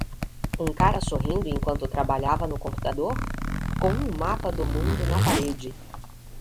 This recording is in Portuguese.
Um cara sorrindo enquanto trabalhava no computador? com um mapa do mundo na parede.